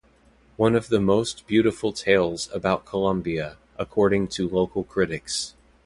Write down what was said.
"One of the most beautiful tales about Colombia", according to local critics.